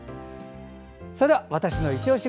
それでは「＃わたしのいちオシ」